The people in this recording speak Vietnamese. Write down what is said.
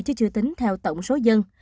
chứ chưa tính theo tổng số dân